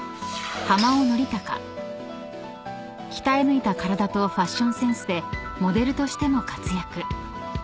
［鍛え抜いた体とファッションセンスでモデルとしても活躍］